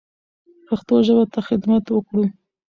پښتو ژبې ته خدمت وکړو.